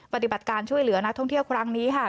ปฏิบัติการช่วยเหลือนักท่องเที่ยวครั้งนี้ค่ะ